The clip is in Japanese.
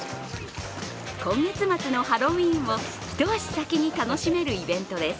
今月末のハロウィーンを一足先に楽しめるイベントです。